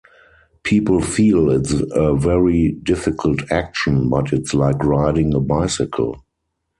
People feel it's a very difficult action but its like riding a bicycle.